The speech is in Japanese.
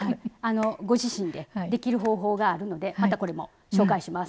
ご自身でできる方法があるのでまたこれも紹介します。